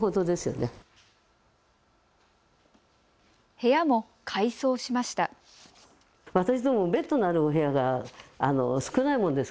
部屋も改装しました。